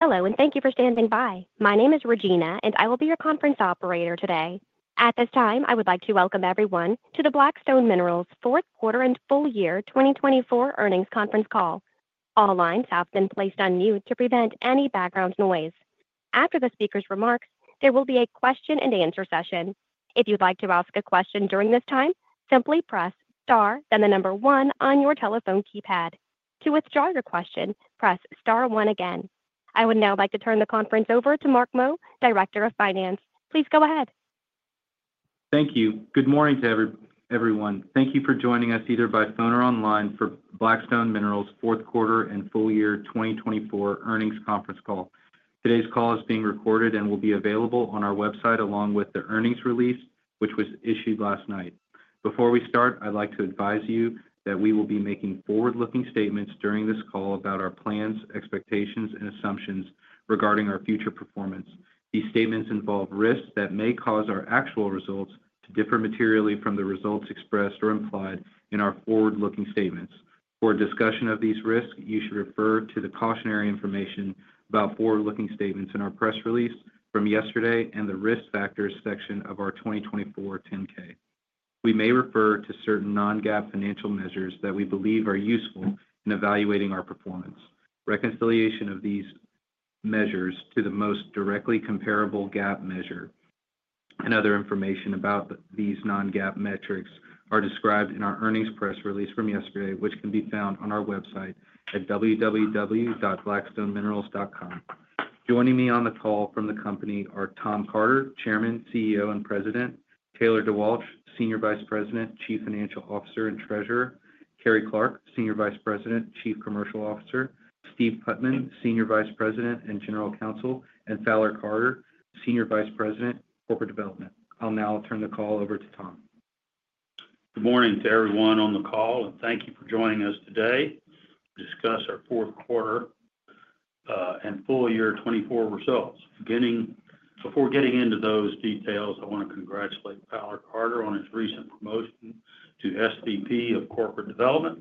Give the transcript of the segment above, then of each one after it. Hello, and thank you for standing by. My name is Regina, and I will be your conference operator today. At this time, I would like to welcome everyone to the Black Stone Minerals Fourth Quarter and Full Year 2024 Earnings Conference Call. All lines have been placed on mute to prevent any background noise. After the speaker's remarks, there will be a question-and-answer session. If you'd like to ask a question during this time, simply press star, then the number one on your telephone keypad. To withdraw your question, press star one again. I would now like to turn the conference over to Mark Meaux, Director of Finance. Please go ahead. Thank you. Good morning to everyone. Thank you for joining us either by phone or online for Black Stone Minerals Fourth Quarter and Full Year 2024 Earnings Conference Call. Today's call is being recorded and will be available on our website along with the earnings release, which was issued last night. Before we start, I'd like to advise you that we will be making forward-looking statements during this call about our plans, expectations, and assumptions regarding our future performance. These statements involve risks that may cause our actual results to differ materially from the results expressed or implied in our forward-looking statements. For a discussion of these risks, you should refer to the cautionary information about forward-looking statements in our press release from yesterday and the risk factors section of our 2024 10-K. We may refer to certain non-GAAP financial measures that we believe are useful in evaluating our performance. Reconciliation of these measures to the most directly comparable GAAP measure and other information about these non-GAAP metrics are described in our earnings press release from yesterday, which can be found on our website at www.blackstoneminerals.com. Joining me on the call from the company are Tom Carter, Chairman, CEO, and President, Taylor DeWalch, Senior Vice President, Chief Financial Officer and Treasurer, Carrie Clark, Senior Vice President, Chief Commercial Officer, Steve Putman, Senior Vice President and General Counsel, and Fowler Carter, Senior Vice President, Corporate Development. I'll now turn the call over to Tom. Good morning to everyone on the call, and thank you for joining us today to discuss our fourth quarter and full year 2024 results. Before getting into those details, I want to congratulate Fowler Carter on his recent promotion to SVP of Corporate Development,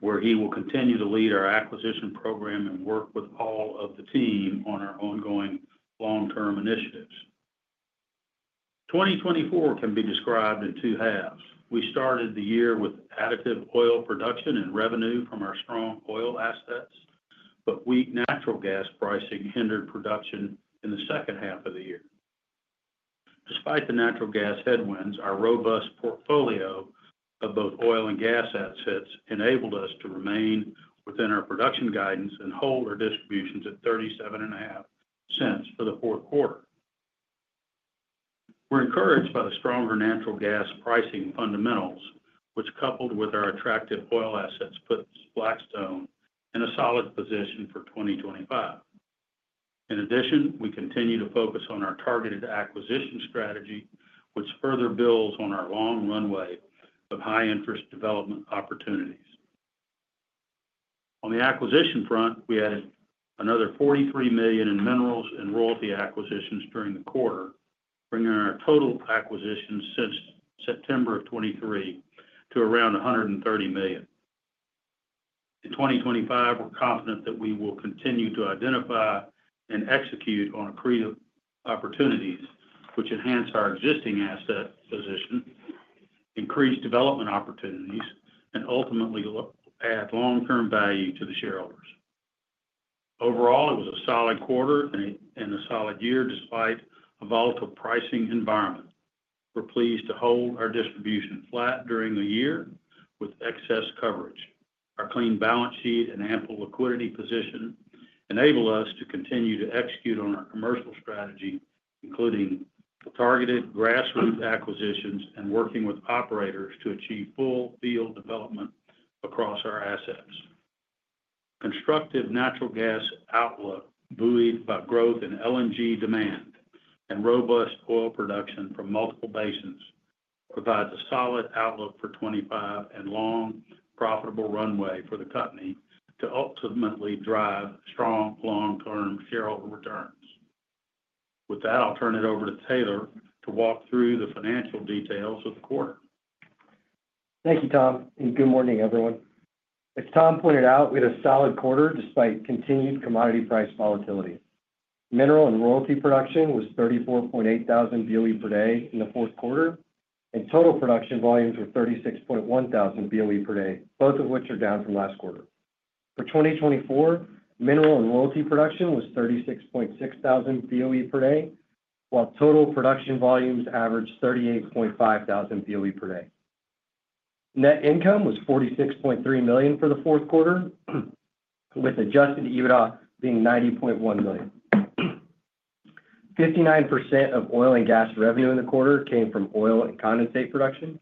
where he will continue to lead our acquisition program and work with all of the team on our ongoing long-term initiatives. 2024 can be described in two halves. We started the year with additive oil production and revenue from our strong oil assets, but weak natural gas pricing hindered production in the second half of the year. Despite the natural gas headwinds, our robust portfolio of both oil and gas assets enabled us to remain within our production guidance and hold our distributions at $0.375 for the fourth quarter. We're encouraged by the stronger natural gas pricing fundamentals, which, coupled with our attractive oil assets, puts Black Stone in a solid position for 2025. In addition, we continue to focus on our targeted acquisition strategy, which further builds on our long runway of high-interest development opportunities. On the acquisition front, we added another $43 million in minerals and royalty acquisitions during the quarter, bringing our total acquisitions since September of 2023 to around $130 million. In 2025, we're confident that we will continue to identify and execute on accretive opportunities, which enhance our existing asset position, increase development opportunities, and ultimately add long-term value to the shareholders. Overall, it was a solid quarter and a solid year despite a volatile pricing environment. We're pleased to hold our distribution flat during the year with excess coverage. Our clean balance sheet and ample liquidity position enable us to continue to execute on our commercial strategy, including targeted grassroots acquisitions and working with operators to achieve full field development across our assets. Constructive natural gas outlook, buoyed by growth in LNG demand and robust oil production from multiple basins, provides a solid outlook for 2025 and a long, profitable runway for the company to ultimately drive strong long-term shareholder returns. With that, I'll turn it over to Taylor to walk through the financial details of the quarter. Thank you, Tom, and good morning, everyone. As Tom pointed out, we had a solid quarter despite continued commodity price volatility. Mineral and royalty production was 34.8 thousand BOE per day in the fourth quarter, and total production volumes were 36.1 thousand BOE per day, both of which are down from last quarter. For 2024, mineral and royalty production was 36.6 thousand BOE per day, while total production volumes averaged 38.5 thousand BOE per day. Net income was $46.3 million for the fourth quarter, with Adjusted EBITDA being $90.1 million. 59% of oil and gas revenue in the quarter came from oil and condensate production.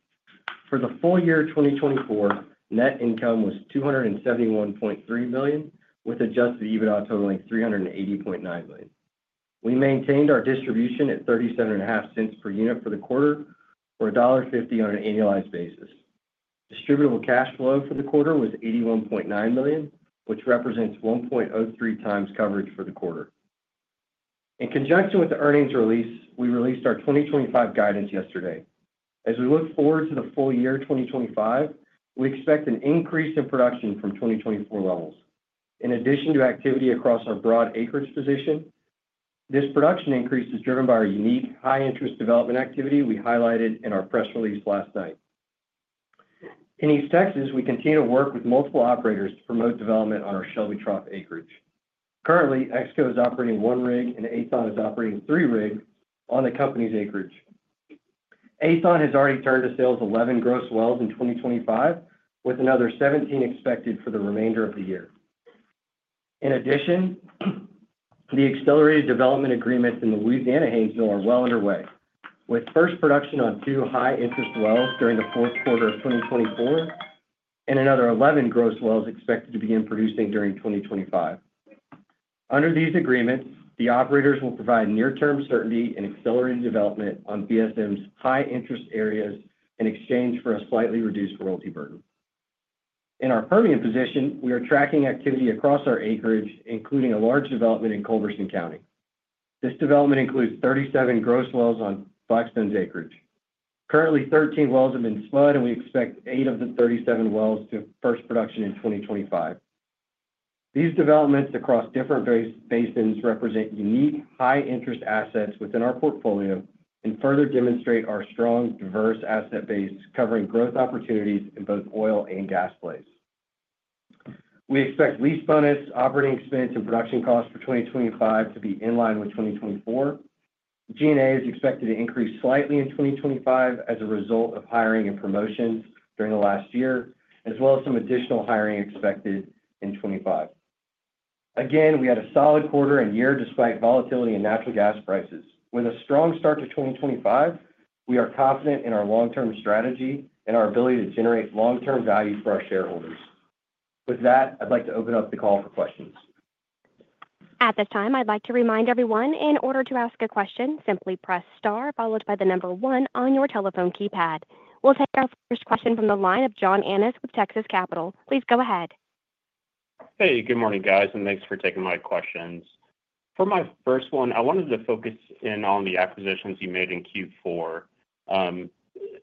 For the full year 2024, net income was $271.3 million, with Adjusted EBITDA totaling $380.9 million. We maintained our distribution at $0.375 per unit for the quarter, or $1.50 on an annualized basis. Distributable cash flow for the quarter was $81.9 million, which represents 1.03 times coverage for the quarter. In conjunction with the earnings release, we released our 2025 guidance yesterday. As we look forward to the full year 2025, we expect an increase in production from 2024 levels. In addition to activity across our broad acreage position, this production increase is driven by our unique high-interest development activity we highlighted in our press release last night. In East Texas, we continue to work with multiple operators to promote development on our Shelby Trough acreage. Currently, EXCO is operating one rig, and Aethon is operating three rigs on the company's acreage. Aethon has already turned to sales 11 gross wells in 2025, with another 17 expected for the remainder of the year. In addition, the accelerated development agreements in the Louisiana Haynesville are well underway, with first production on two high-interest wells during the fourth quarter of 2024 and another 11 gross wells expected to begin producing during 2025. Under these agreements, the operators will provide near-term certainty in accelerated development on BSM's high-interest areas in exchange for a slightly reduced royalty burden. In our Permian position, we are tracking activity across our acreage, including a large development in Culberson County. This development includes 37 gross wells on Black Stone's acreage. Currently, 13 wells have been spudded, and we expect eight of the 37 wells to have first production in 2025. These developments across different basins represent unique high-interest assets within our portfolio and further demonstrate our strong, diverse asset base, covering growth opportunities in both oil and gas plays. We expect lease bonus, operating expense, and production costs for 2025 to be in line with 2024. G&A is expected to increase slightly in 2025 as a result of hiring and promotions during the last year, as well as some additional hiring expected in 2025. Again, we had a solid quarter and year despite volatility in natural gas prices. With a strong start to 2025, we are confident in our long-term strategy and our ability to generate long-term value for our shareholders. With that, I'd like to open up the call for questions. At this time, I'd like to remind everyone, in order to ask a question, simply press star followed by the number one on your telephone keypad. We'll take our first question from the line of John Annis with Texas Capital. Please go ahead. Hey, good morning, guys, and thanks for taking my questions. For my first one, I wanted to focus in on the acquisitions you made in Q4.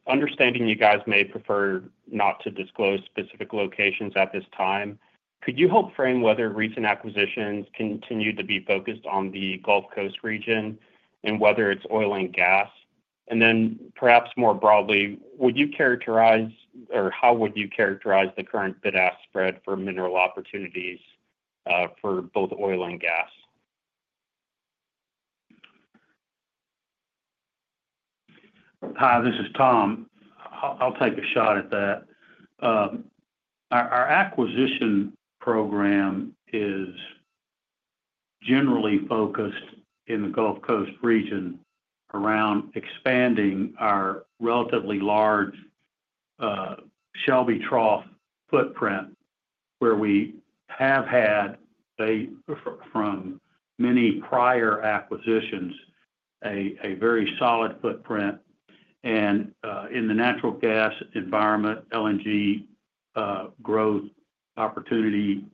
Understanding you guys may prefer not to disclose specific locations at this time, could you help frame whether recent acquisitions continue to be focused on the Gulf Coast region and whether it's oil and gas? And then perhaps more broadly, would you characterize, or how would you characterize the current bid-ask spread for mineral opportunities for both oil and gas? Hi, this is Tom. I'll take a shot at that. Our acquisition program is generally focused in the Gulf Coast region around expanding our relatively large Shelby Trough footprint, where we have had from many prior acquisitions a very solid footprint, and in the natural gas environment, LNG growth opportunity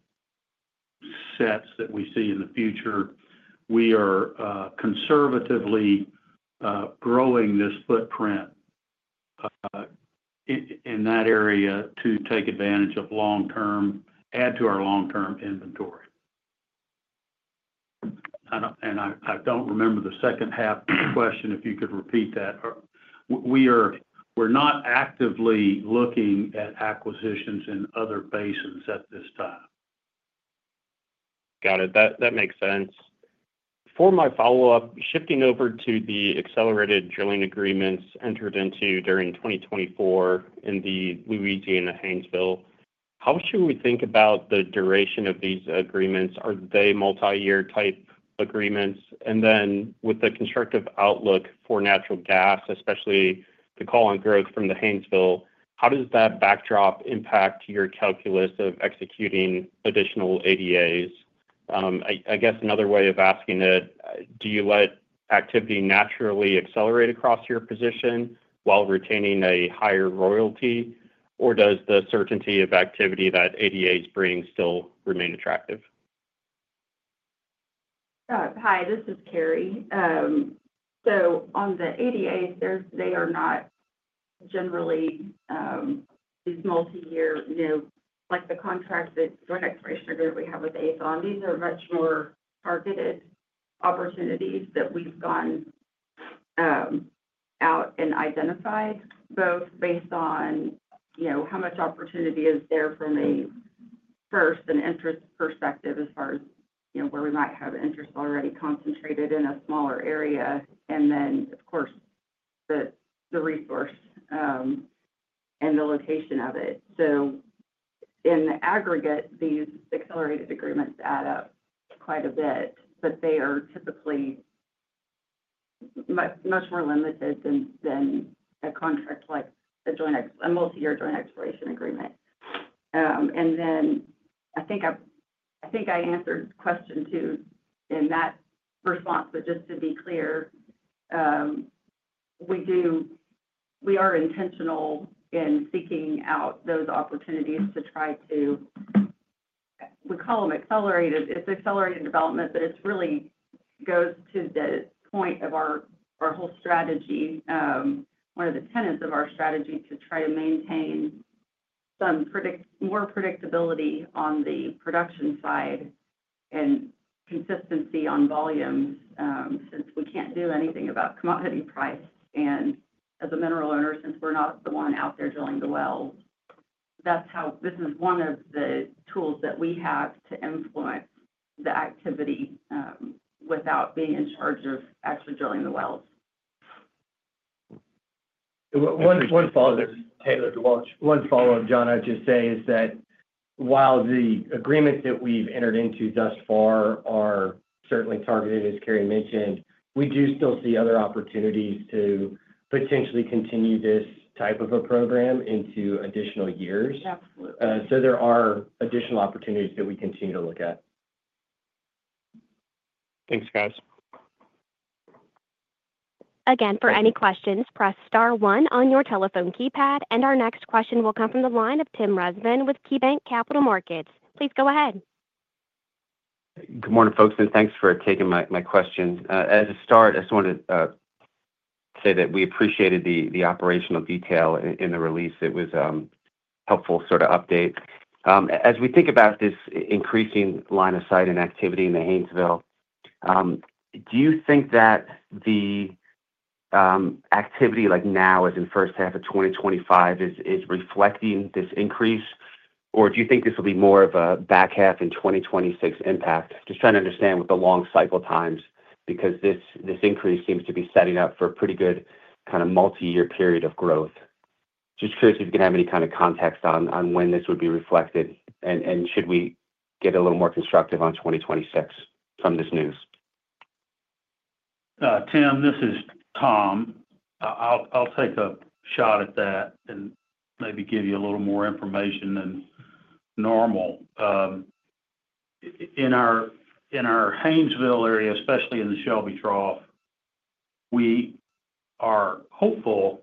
sets that we see in the future, we are conservatively growing this footprint in that area to take advantage of long-term, add to our long-term inventory, and I don't remember the second half of the question, if you could repeat that. We're not actively looking at acquisitions in other basins at this time. Got it. That makes sense. For my follow-up, shifting over to the accelerated development agreements entered into during 2024 in the Louisiana Haynesville, how should we think about the duration of these agreements? Are they multi-year type agreements? And then with the constructive outlook for natural gas, especially the call on growth from the Haynesville, how does that backdrop impact your calculus of executing additional ADAs? I guess another way of asking it, do you let activity naturally accelerate across your position while retaining a higher royalty, or does the certainty of activity that ADAs bring still remain attractive? Hi, this is Carrie. So on the ADAs, they are not generally these multi-year, like the contract, that Joint Exploration Agreement, we have with Aethon. These are much more targeted opportunities that we've gone out and identified, both based on how much opportunity is there from a working interest perspective as far as where we might have interest already concentrated in a smaller area, and then, of course, the resource and the location of it. So in the aggregate, these accelerated agreements add up quite a bit, but they are typically much more limited than a contract like a multi-year joint exploration agreement. And then I think I answered question two in that response, but just to be clear, we are intentional in seeking out those opportunities to try to—we call them accelerated. It's accelerated development, but it really goes to the point of our whole strategy, one of the tenets of our strategy, to try to maintain some more predictability on the production side and consistency on volumes since we can't do anything about commodity price. And as a mineral owner, since we're not the one out there drilling the wells, this is one of the tools that we have to influence the activity without being in charge of actually drilling the wells. One follow-up, Taylor DeWalch, one follow-up, John, I'd just say is that while the agreements that we've entered into thus far are certainly targeted, as Carrie mentioned, we do still see other opportunities to potentially continue this type of a program into additional years. So there are additional opportunities that we continue to look at. Thanks, guys. Again, for any questions, press star one on your telephone keypad, and our next question will come from the line of Tim Rezvan with KeyBanc Capital Markets. Please go ahead. Good morning, folks, and thanks for taking my questions. As a start, I just wanted to say that we appreciated the operational detail in the release. It was a helpful sort of update. As we think about this increasing line of sight and activity in the Haynesville, do you think that the activity now, as in the first half of 2025, is reflecting this increase, or do you think this will be more of a back half in 2026 impact? Just trying to understand with the long cycle times because this increase seems to be setting up for a pretty good kind of multi-year period of growth. Just curious if you can have any kind of context on when this would be reflected, and should we get a little more constructive on 2026 from this news? Tim, this is Tom. I'll take a shot at that and maybe give you a little more information than normal. In our Haynesville area, especially in the Shelby Trough, we are hopeful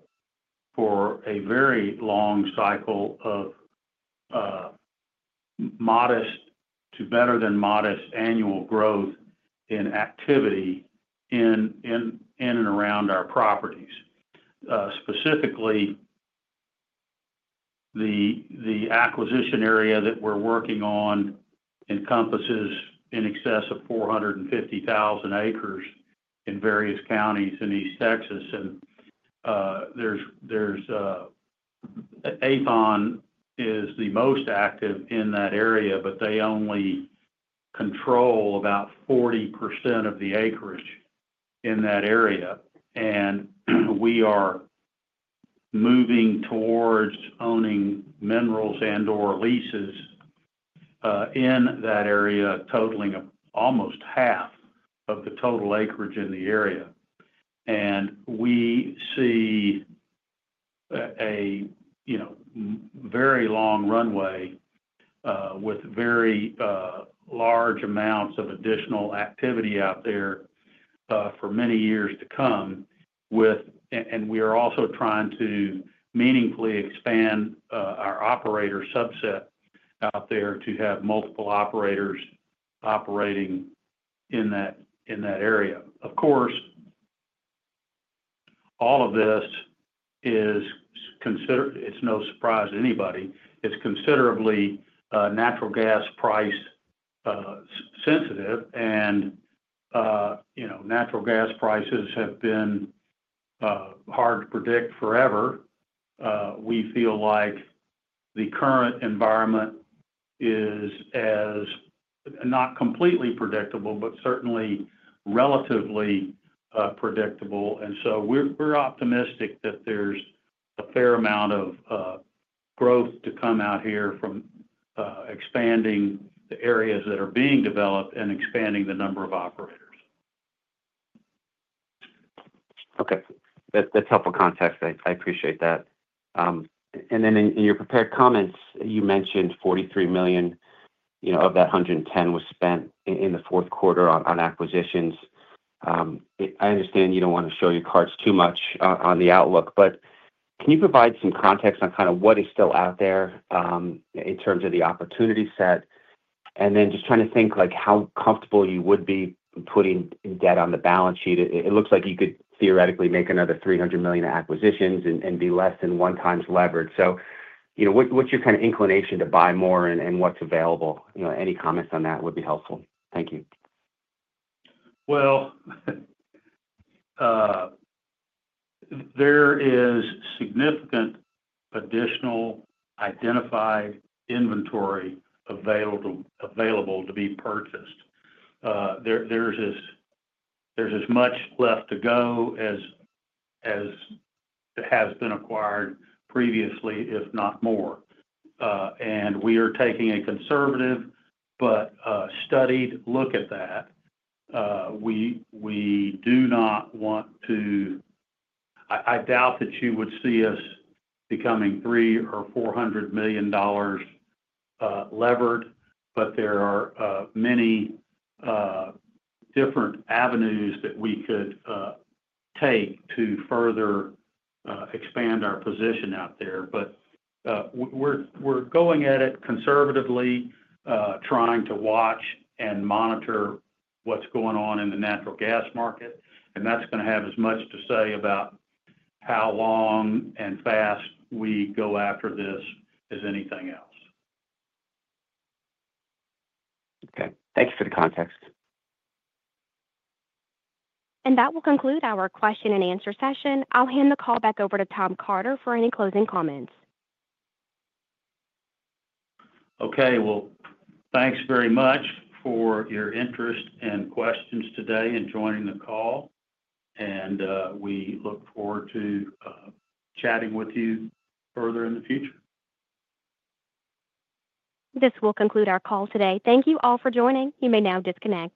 for a very long cycle of modest to better than modest annual growth in activity in and around our properties. Specifically, the acquisition area that we're working on encompasses in excess of 450,000 acres in various counties in East Texas, and Aethon is the most active in that area, but they only control about 40% of the acreage in that area, and we are moving towards owning minerals and/or leases in that area, totaling almost half of the total acreage in the area, and we see a very long runway with very large amounts of additional activity out there for many years to come. We are also trying to meaningfully expand our operator subset out there to have multiple operators operating in that area. Of course, all of this is considered. It's no surprise to anybody. It's considerably natural gas price sensitive, and natural gas prices have been hard to predict forever. We feel like the current environment is not completely predictable, but certainly relatively predictable, so we're optimistic that there's a fair amount of growth to come out here from expanding the areas that are being developed and expanding the number of operators. Okay. That's helpful context. I appreciate that. And then in your prepared comments, you mentioned $43 million of that $110 million was spent in the fourth quarter on acquisitions. I understand you don't want to show your cards too much on the outlook, but can you provide some context on kind of what is still out there in terms of the opportunity set? And then just trying to think how comfortable you would be putting debt on the balance sheet. It looks like you could theoretically make another $300 million acquisitions and be less than one time's leverage. So what's your kind of inclination to buy more and what's available? Any comments on that would be helpful. Thank you. There is significant additional identified inventory available to be purchased. There's as much left to go as has been acquired previously, if not more. And we are taking a conservative but studied look at that. We do not want to. I doubt that you would see us becoming $300 million or $400 million levered, but there are many different avenues that we could take to further expand our position out there. But we're going at it conservatively, trying to watch and monitor what's going on in the natural gas market. And that's going to have as much to say about how long and fast we go after this as anything else. Okay. Thanks for the context. That will conclude our question and answer session. I'll hand the call back over to Tom Carter for any closing comments. Okay. Thanks very much for your interest and questions today and joining the call. We look forward to chatting with you further in the future. This will conclude our call today. Thank you all for joining. You may now disconnect.